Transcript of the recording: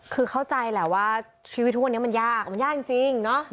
คือเข้าใจแหละว่าชีวิตทุกวันนี้มันยากมันยากจริงเนาะ